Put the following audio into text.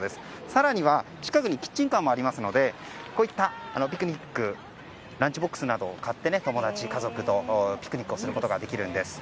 更には、近くにキッチンカーもありますので、こういったランチボックスなどを買って友達、家族とピクニックをすることができるんです。